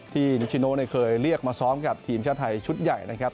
นิชิโนเคยเรียกมาซ้อมกับทีมชาติไทยชุดใหญ่นะครับ